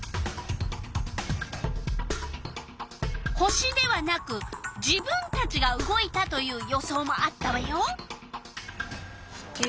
星ではなく自分たちが動いたという予想もあったわよ。